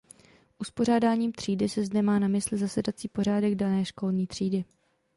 Uspořádáním třídy se zde má na mysli zasedací pořádek dané školní třídy.